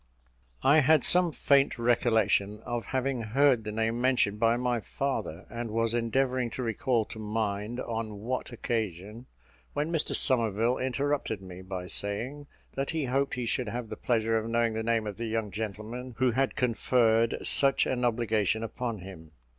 I had some faint recollection of having heard the name mentioned by my father, and was endeavouring to recall to mind on what occasion, when Mr Somerville interrupted me by saying, that he hoped he should have the pleasure of knowing the name of the young gentleman who had conferred such an obligation upon him.